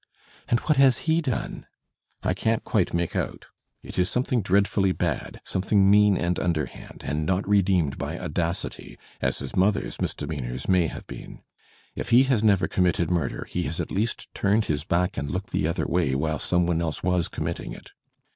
"'And what has he done?' "*I can't quite make out; it is something dreadfully bad, Digitized by Google 830 THE SPIRIT OF AMERICAN LITERATUHE something mean and underhand, and not redeemed by audadty, as his mother's misdemeanours may have been. If he has never committed murder, he has at least turned his back and looked the other way while some one else was conmiitting it.'